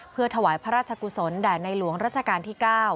เพื่อถวายพระราชกุศลแด่ในหลวงรัชกาลที่๙